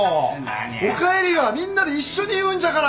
おかえりはみんなで一緒に言うんじゃから。